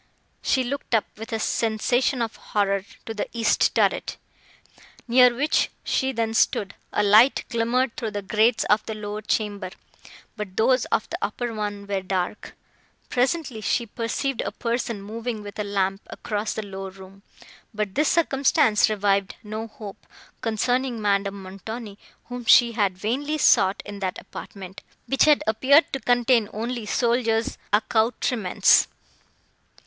She looked up, with a sensation of horror, to the east turret, near which she then stood; a light glimmered through the grates of the lower chamber, but those of the upper one were dark. Presently, she perceived a person moving with a lamp across the lower room; but this circumstance revived no hope, concerning Madame Montoni, whom she had vainly sought in that apartment, which had appeared to contain only soldiers' accoutrements.